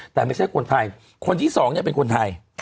แต่ไม่ใช่คนไทยคนที่๒เป็นคนไทย